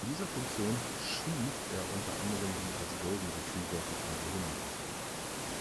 In dieser Funktion „schuf“ er unter anderem die als Golden Retriever bekannte Hunderasse.